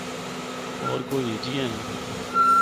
ہور کوئی ہِجیاں ہن۔